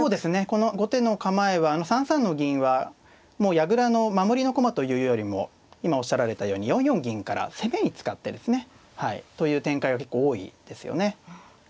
この後手の構えは３三の銀はもう矢倉の守りの駒というよりも今おっしゃられたように４四銀から攻めに使ってですねという展開が結構多いですよね。